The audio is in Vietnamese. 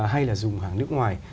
hay là dùng hàng nước ngoài